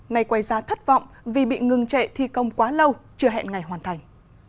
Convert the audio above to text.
ngày quay ra thất vọng vì bị ngừng trệ thi công quá lâu chưa hẹn ngày hoàn thành